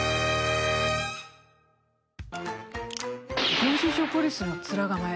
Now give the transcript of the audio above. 領収書ポリスの面構え。